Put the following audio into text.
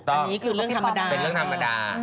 อันนี้คือเรื่องธรรมดา